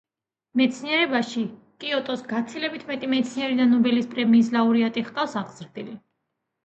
მეცნიერებაში, კიოტოს გაცილებით მეტი მეცნიერი და ნობელის პრემიის ლაურეატი ჰყავს აღზრდილი.